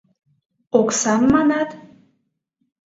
— Оксам, манат?